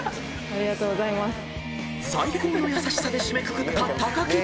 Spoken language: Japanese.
［最高の優しさで締めくくった木］